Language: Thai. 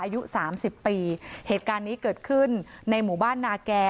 อายุสามสิบปีเหตุการณ์นี้เกิดขึ้นในหมู่บ้านนาแก่